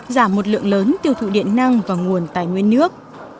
giảm một lượng lớn tiêu thụ điện năng và nguồn tài nguyên nước